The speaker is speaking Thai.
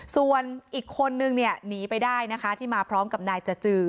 ส่วนอีกคนนึงเนี่ยหนีไปได้นะคะที่มาพร้อมกับนายจจือ